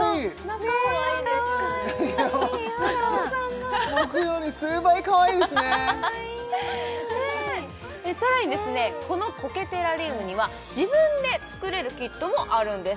中尾さんが僕より数倍かわいいですねさらにこの苔テラリウムには自分で作れるキットもあるんです